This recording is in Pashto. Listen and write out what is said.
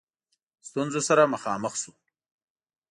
ستونزو سره مخامخ شو.